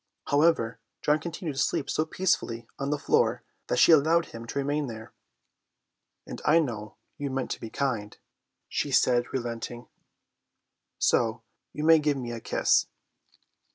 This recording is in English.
However, John continued to sleep so placidly on the floor that she allowed him to remain there. "And I know you meant to be kind," she said, relenting, "so you may give me a kiss."